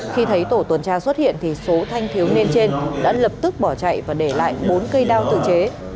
khi thấy tổ tuần tra xuất hiện thì số thanh thiếu niên trên đã lập tức bỏ chạy và để lại bốn cây đao tự chế